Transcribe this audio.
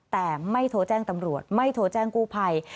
แต่ไม่โทรแจ้งตำรวจไม่โทรแจ้งกู้ภัย